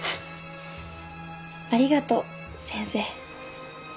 ありがとう先生。